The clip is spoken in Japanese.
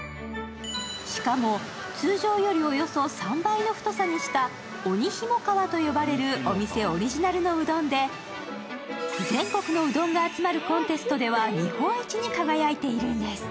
しかも、通常よりおよそ３倍の太さにした鬼ひもかわと呼ばれるお店オリジナルのうどんで全国のうどんが集まるコンテストでは日本一に輝いているんです。